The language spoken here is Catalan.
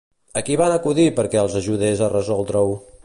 A qui van acudir perquè els ajudés a resoldre-ho?